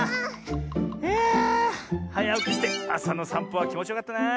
いやはやおきしてあさのさんぽはきもちよかったな。